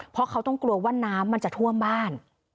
เพราะเขาต้องกลัวว่าน้ำมันจะท่วมบ้าน